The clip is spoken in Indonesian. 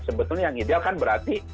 sebetulnya yang ideal kan berarti